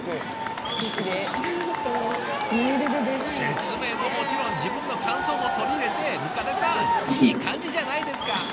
説明はもちろん自分の感想も取り入れて百足さんいい感じじゃないですか！